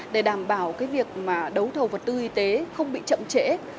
để đảm bảo cái việc mà đấu thầu vật tư y tế không bị chậm trễ